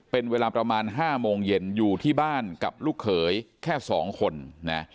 เป็นเวลาประมาณ๕โมงเย็นอยู่ที่บ้านกับลูกเขยแค่๒คนนะ